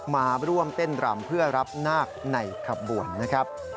มาร่วมเต้นรำเพื่อรับนาคในขบวนนะครับ